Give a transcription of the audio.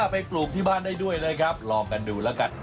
ไปปลูกที่บ้านได้ด้วยนะครับลองกันดูแล้วกัน